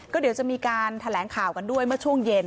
ก็เดี๋ยวจะมีการแถลงข่าวกันด้วยเมื่อช่วงเย็น